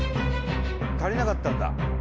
足りなかったんだ。